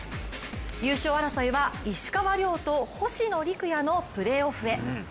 優勝争いは石川遼と星野陸也のプレーオフへ。